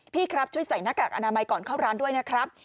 พี่ครับช่วยใส่หน้ากากอนามัยก่อนเข้าร้านด้วยนะครับ